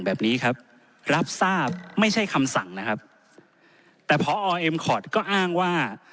แบบนี้ครับรับทราบไม่ใช่คำสั่งนะครับแต่พอเอ็มคอร์ดก็อ้างว่า